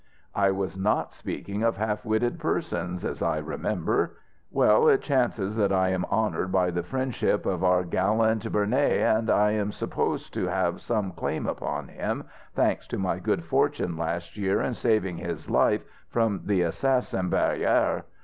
"I was not speaking of half witted persons, as I remember. Well, it chances that I am honoured by the friendship of our gallant Béarnais, and am supposed to have some claim upon him, thanks to my good fortune last year in saving his life from the assassin Barrière.